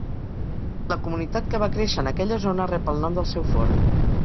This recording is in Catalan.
La comunitat que va créixer en aquella zona rep el nom del seu forn.